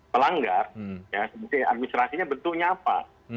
pelanggar seperti administrasinya bentuknya apa